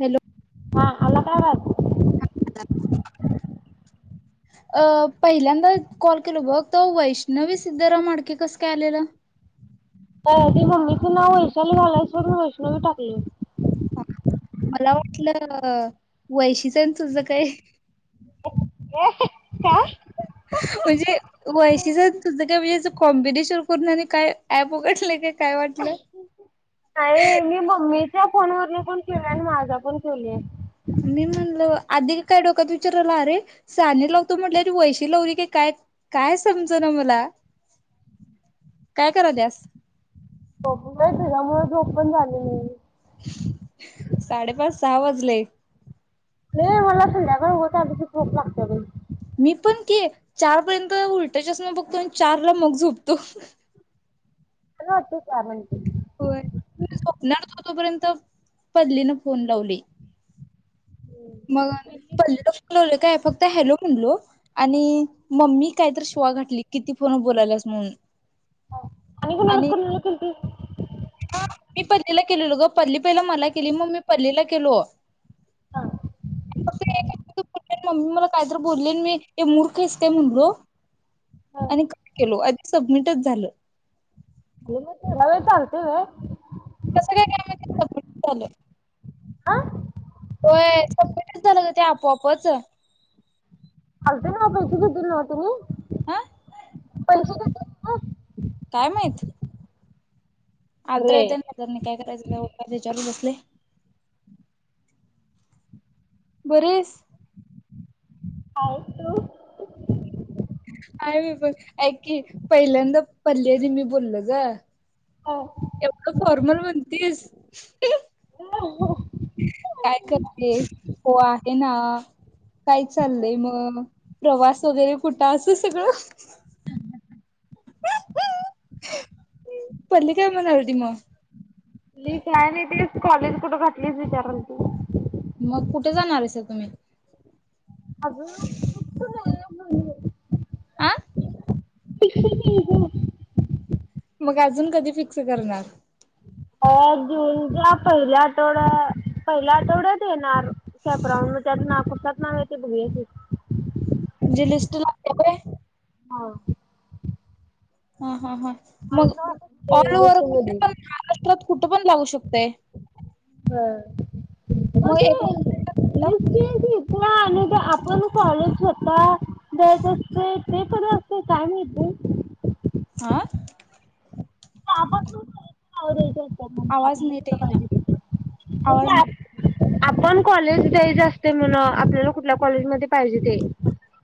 Hello हा आला काय वा अ पहिल्यांदा कॉल केल बघ त वैष्णवी सिद्धरााम मडके कस काय आलेलं. ते मम्मीचं नाव वैशाली घालायच म्हून वैष्णवी टाकले. मला वाटलं वैशीचच ज काय म्हणजे व त तुझं काय म्हणजे कॉम्बिनेशन करून आणि काय प उघडले का काय वाटलं नाहीय हेे मम्मी त्या फोन वरने पण केेव आणि माझा पण ठेवली. मी म्हणलं आधी का काय डोक्यात विचारला अरे सहाने लावतो म्हटलं ती वैशी लावली की काय काय समज ना मला काय करा द्यास हो तुझा मु ोपण झालेली साडेपाच सहा वाजले हे मला सध्या कर होता चोप लागत गई मी पण के चारपर्यंत उलट्याच्याच ना बघतो आणि चार ला मग झोपतो ह ना तेठी कारणते होय स्वप्न तो तोपर्यंत पल्लीन फोन लावली मग पल्लेला फनवले काय फक्त हॅलो म्हणलो आणि मम्मी कायत श्वा घाठली किती फोन बोलायलास म्हणून आणि ग नक नलकती हा मी पल्लीला केलेलो ग पल्ली पहिला मला केली मग मी पल्लीला केलो [inaudible] मम्मी मला कायत बोलले मी ते मूर्खचते म्हणलो आणि का केलो सबमिटच झालं रायेतगतेव काय का स चाल आा होय सटच झालं ते आपोआपच ते कती दिल तुम्ही हा [inaudible] काय माहत आर्द्र रे येत नाही त्यां काय करायचं तेढयलू प बरीस आयतो [unintelligible] मी पण ऐक की पहिल्यांदा पल्लीजी मी बोलल गं. एवढं फॉर्मल म्हणतीस? [unintelligible] हो. ते ना काय चाललंय मग, प्रवास वगैरे कुठं असं सगळं [inaudible] पल्ली काय म्हणालती मग? [unintelligible] काय नई तेच कॉलेज कुठं घाटलीस विचारल ती. मग कुठे जाणार आहेसा तुम्ही? अग नुसत बोलण [unintelligible] आ? [unintelligible] मग अजून कधी फिक्स करणार? अ जूनच्या पहिल्या आठवड्या पहिल्या आठवड्यात येणार कॅपराऊंड मग त्यात ना कशात नाव येतंय बघुया की. म्हणजे लिस्ट लागत्या होय? हा. हा, हा, हा. मग तर वाटत ऑल ते ओवर कुठ लिस्टमध्ये पण महाराष्ट्रात कुठं पण लागु शक चुकतंय. बरं मग ते लिस्ट हाय ती [unintelligible] आणि ते आपण कॉलेज स्वतः द्यायचं असतंय ते कधी असतंय काय माहित ब आ? [unintelligible] आवरायचं हाय. आवाज नीट येईना आवाज, आवाज नीट येईना. आपण कॉलेज द्यायच असतंय म्हण आपल्याला कुठल्या कॉलेजमध्येध्ये पाहिजे ते.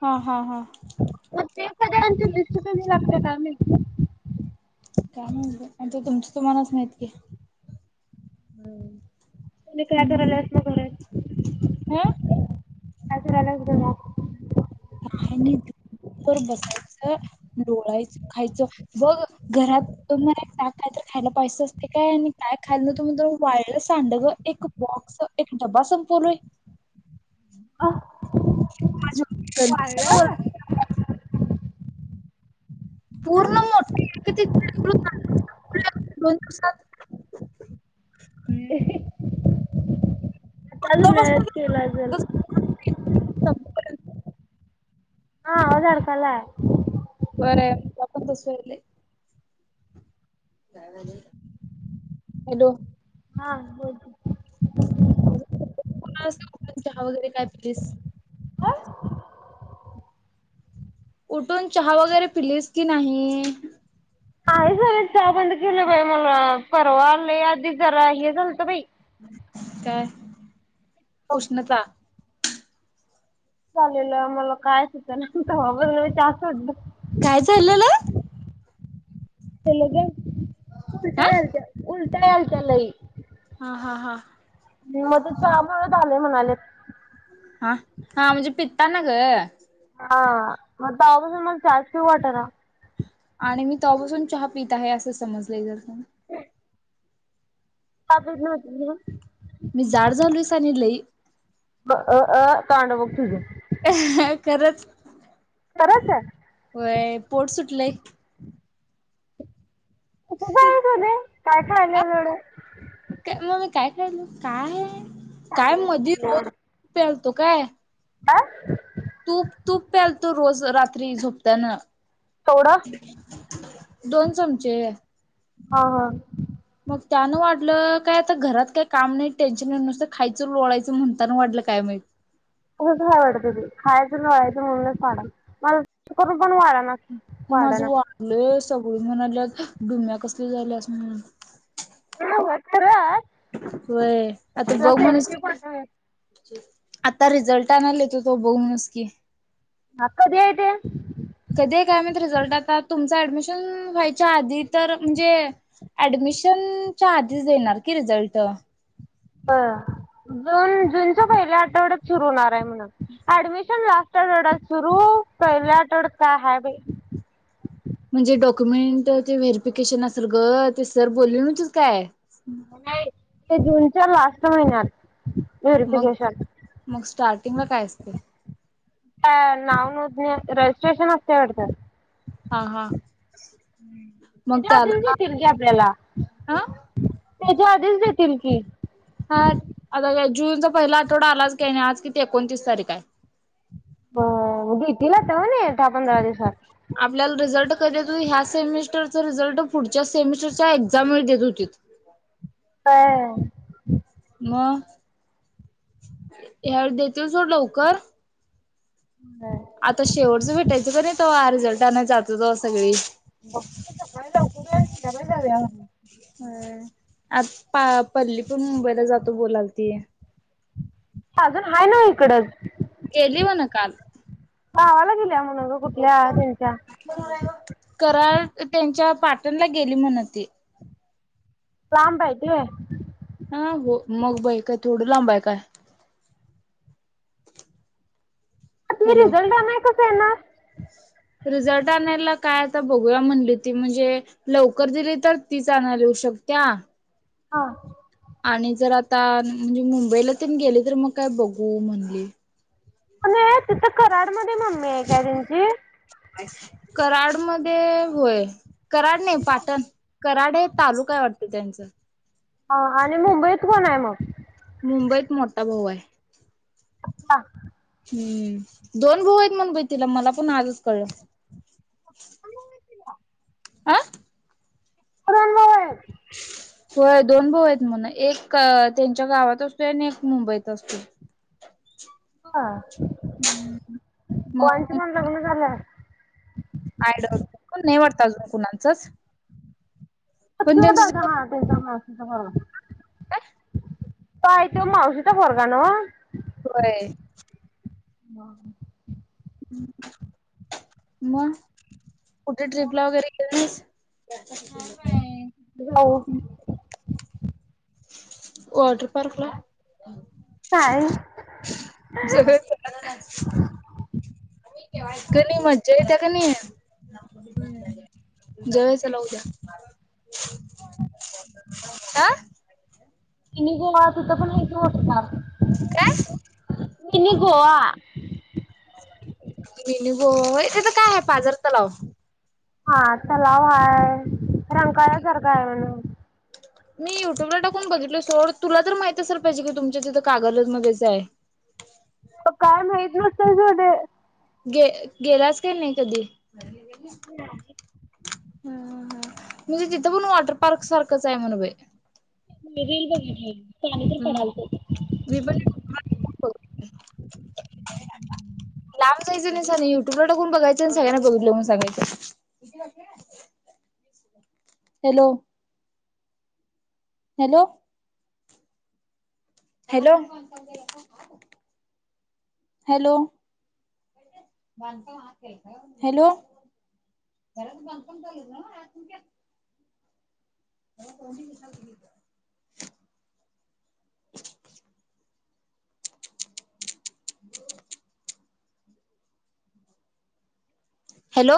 हा, हा, हा. ते कधी आणि ते लिस्ट कधी लागत्या काय माहिती काय म्हाईत बाई. आता तुमच तुम्हालाच माहीत की. होय. तु काय हम्म करायल्यास मग घरात? हं काय कराल्यास घरात? काय नाहीर बसायचं, लोळायचं, खायचं. बघ घरात मला का काय तर खायला पाहिजे असतंय काय आणि काय खायला न्हवत म्हणून वाळ्ळ सांडग एक बॉक्स, एक डबा संपवलोय. [inaudible] [unintelligible] पूर्ण मोठ [unintelligible] दोन दिवसांत आत्ताच बसतो उन्हाळ्यात केलं संपेपर्यंत असेल? हा आवाज अडकायला. बरण ले हॅलो, हा बोलत उठून चहा वगैरे काय प्लेस, उठून चहा वगैरे पिलीस की नाही. झा चहा बंद केलं बाई मला परवा आले आधी जरा हे झालत बाई काय कफ उष्णता चालेलं मला कायच होत ब अस होट काय झालंला, तेलग उल्टते उल्टात तई हा हा म मग ते चहामुळे झाले. म्हणाले हा हा म्हणजे पित्ता ना ग हा, मग तवापासून मला चहाच पिऊ वाटना. आणि मी तवापासून चहा पीता आहे असं समजले जस ह [unintelligible] अब न होती [unintelligible] तनले [unintelligible] अ तांडवक्तीझ [unintelligible] खरंच खरंच होय पोट सुटलंय उप बय झालंय काय खायला जोड हॅलो काय आहे. काय मध रोज्या [unintelligible] हो काय ह तूप तूप प्यालतो रोज रात्री झोपता्न तेवढं दोन चमचे हा हा मग त्यानं वाटलं काय आता घरात काय काम नाही टेन्शन नाही नुसतं खायचं लोळायचं म्हणताना वाटलं काय माहिित. उगच नाही वाढत ते खायचं लोळायचं म्हणूनच वाढायलय [unintelligible] पण वाढ माझं वाढलंय सगळ म्हणल डुम्या कसल झाल्यास म्हणून ते नव्हं खरचं. व्हय आता तुझा बघ म्हणूस सेल्फी की पाठव एक. आता रिझल्ट आणाला येतोयं तो बोमनसकी. कदी हाय ते. कधी काय माहीत रिझल्ट आता तुमच ऍडमिशन व्हायच्या आधी तर म्हणजे ऍडमिशंनच्या आधीच देणार की रिझल्ट. अ जून जूनच्या पहिल्या आठवड्यात सुरू होणार हाय म्हण ऍडमिशन लास्ट आठवड्यात सुरू पहिल्या आठवड्यात काय हाय बाई. म्हणजे डॉक्युमेंट ते व्हेरिफिकेशन असेल गं ते सर बोलले नव्हतीतं काय. [unintelligible] ते जूनच्या लास्ट महिन्यात. मग व्हेरिफिकेशन. मग स्टार्ट म काय असतयं? काय नाव नोंदनी रजिस्ट्रेशन असतय वाटत. हा हा. मग तेज्या आधीचं त्याला देतील की आपल्याला. हा तेज्या आधीच देतील की. हां. [unintelligible] जूनचा पहिला आठवडा आलाच की आणि आज किती एकोणतीस तारीख हाय. [unintelligible] तवा नाय येतं दहा - पंधरा दिवसात. आपल्याला रिझल्ट कधी तरं ह्या सेमिस्टरचा रिझल्ट पुढच्या सेमिस्टरच्या एक्साम वेळी देत होतीत. [unintelligible] ह्या वेळी देतील सोड लवकर. नाय. आता शेवटचं भेटायचं कनी तवा रिझल्ट आनाय जात तुजं सगळी सगळी जाऊयावं. हं. आ पा पल्लीतून मुंबईला जातो बोलालती. अजून हाय नव्हं हिकडंच. गेली म्हन काल. गावाला गेल्या म्ह - - कराल? त्यांच्यात. पाटणला गेली म्हण ती. लांब हाय ते. हं. हो, मग बाई काय थोडं लांब हाय काय? तुम्ही हॅलो रिझल्ट आणाय कसं - - स येणार? रिझल्ट आणायला काय आता बघूया म्हनली ती म्हनजे लवकर दिली तर तीच अनायला येऊ शकत्या. हा. आणि जर आता मी मुंबईला तेन गेले तर मग काय बघू म्हनली. कुणी हाय तिथं कराडमद मम्मी, गाईड आणशील? कराड मध्ये होय. कराड नाही पाटण. कराड हे तालुका आहे वाटत. त्याचं. हा, आणि मुंबईत कोन हाय मग? मुंबईत मोठ्ठा भाऊ हाय. हा. हम्म दोन भाऊ आहेत म्हण बाई तिला, मला पन आजच कळलं. [unintelligible] अ! दोन भाऊ आहेत. व्हय, दोन भाऊ हायेत म्हन, एक त्यांच्या गावात असतोय, आणि एक मुंबईत असतोय. हा... पोरांचं मग पन लग्न झालेय. आय डोन्ट, फोन नाय वाटत अजून कुणाचच. पण फतलं दादा हा, त्यांच्यामुळे. दहा. काय? काय तो मावशीचा पोरगा नवं? होय. वा! म.. कुटे आट्रिपला वगैरे गेली नाहीस. नाही बाय जाऊ वॉटर पार्क ला? काय? कणी मज्जा येत्या कणी, जाऊया चला उद्या. आ. मिनी गोवा तिथं पण हे शो असणारं. काय? मिनी गोवा. मिनी गोवा होय तिथं काय आहे, पाझर तलाव. हा तलाव हाय रंकाळा सारखा आहे म्हण. मी युट्यूबला टाकून बघितल सोड. तुला तर माहित असेल पाहिजे की तुमच्या तिथं कागलमध्येच आहे. पण काय माहित नसतय. गे गेलास काय नाही कधी, [inaudible] ह म्हणजे तिथं पण वॉटर पार्क सारखंच आहे. म्हण बैई. ही रील बघितली. हम्म, [inaudible] लांब जायचं नाही साधं युट्युब ला टाकून बघायचं आणि सगळ्यांना बघीतलो म्हणून सांगायचं. Hello, hello, hello hello, hello, [inaudible] हो हॅलो,